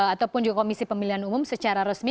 ataupun juga komisi pemilihan umum secara resmi